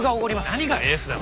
何がエースだ。